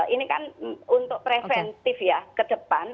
ini kan untuk preventif ya ke depan